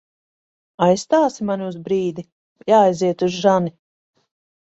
Aizstāsi mani uz brīdi? Jāaiziet uz žani.